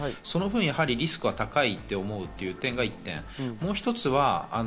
その分リスクは高いと思うというのが１点。